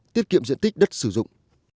tiết kiệm diện tích đất sử dụng